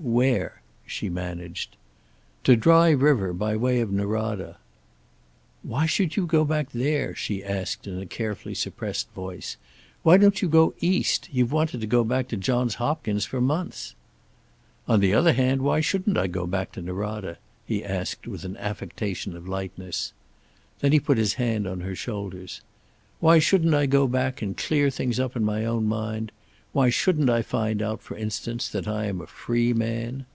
"'Where?" she managed. "To Dry River, by way of Norada." "Why should you go back there?" she asked, in a carefully suppressed voice. "Why don't you go East? You've wanted to go back to Johns Hopkins for months?" "On the other hand, why shouldn't I go back to Norada?" he asked, with an affectation of lightness. Then he put his hand on her shoulders. "Why shouldn't I go back and clear things up in my own mind? Why shouldn't I find out, for instance, that I am a free man?"